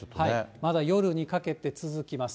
まだ夜にかけて続きます。